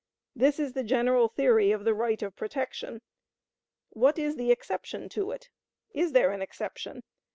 This is the general theory of the right of protection. What is the exception to it? Is there an exception?